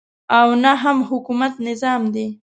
او نه هم حکومت نظام دی.